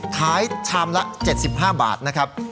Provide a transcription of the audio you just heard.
ชามละ๗๕บาทนะครับ